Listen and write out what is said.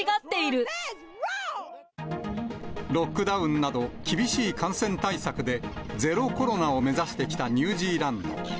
ロックダウンなど、厳しい感染対策で、ゼロコロナを目指してきたニュージーランド。